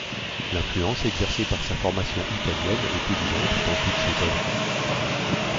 L'influence exercée par sa formation italienne est évidente dans toutes ces œuvres.